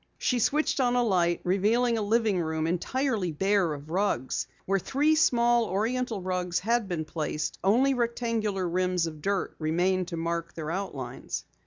She switched on a light, revealing a living room entirely bare of rugs. Where three small Oriental rugs had been placed, only rectangular rims of dirt remained to mark their outlines.